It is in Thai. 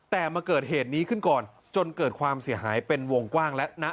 แต่มาเกิดเหตุนี้ขึ้นก่อนจนเกิดความเสียหายเป็นวงกว้างแล้วนะ